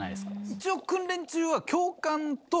一応訓練中は。